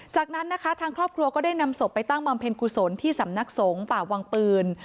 จากนั้นนะคะทางครอบครัวก็ได้นำศพไปตั้งบำเพ็ญกุศลที่สำนักสงฆ์ป่าวังปืน